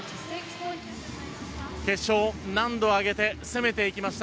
決勝、難度を上げて攻めていきました。